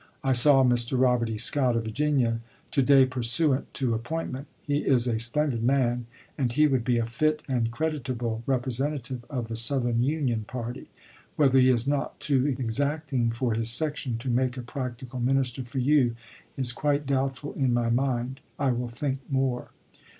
I saw Mr. Robert E. Scott, of Virginia, to day pursuant to appointment. He is a splendid man, and he would be a fit and creditable representative of the Southern Union party. Whether he is not too exacting for his section to make a practical minister for you is quite doubtful in my mind. I will think more.